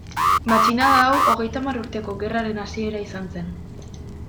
Matxinada hau Hogeita Hamar Urteko Gerraren hasiera izan zen.